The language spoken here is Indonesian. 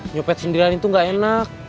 nyopet sindiran itu gak enak